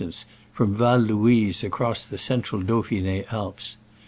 tance) from Val Louise across the cen tral Dauphin6 Alps.